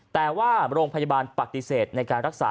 แต่ว่าโรงพยาบาลปฏิเสธในการรักษา